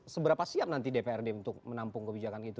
seberapa siap nanti dprd untuk menampung kebijakan itu